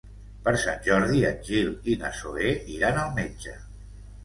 Per Sant Jordi en Gil i na Zoè iran al metge.